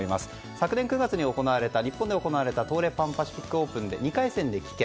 昨年９月に日本で行われた東レ・パン・パシフィックオープンで２回戦で棄権。